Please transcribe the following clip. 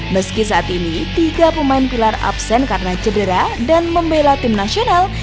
meski saat ini tiga pemain pilar absen karena cedera dan membela tim nasional